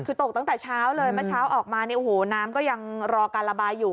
คือตกตั้งแต่เช้าเลยเมื่อเช้าออกมาเนี่ยโอ้โหน้ำก็ยังรอการระบายอยู่